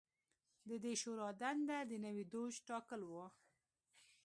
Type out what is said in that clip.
د دې شورا دنده د نوي دوج ټاکل و